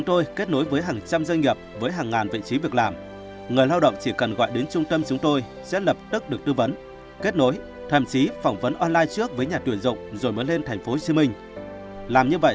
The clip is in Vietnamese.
ông cường thông tin